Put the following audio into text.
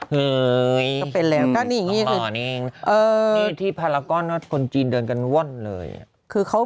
ก็เป็นแล้วก็นี่นี่พารากอนคนจีนเดินกันว่อนเลย